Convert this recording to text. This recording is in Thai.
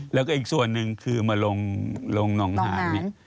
แล้วก็อีกส่วนหนึ่งคือมาลงหนองหานเนี่ย